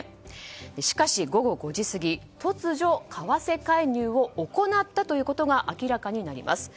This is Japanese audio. しかし、午後５時過ぎ突如、為替介入を行ったということが明らかになります。